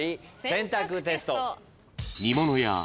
選択テスト。